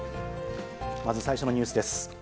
まず最初のニュースです。